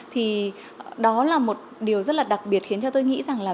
thì đó là một điều rất là đặc biệt khiến cho tôi nghĩ rằng là